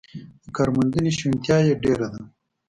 د کارموندنې شونتیا یې ډېره ده.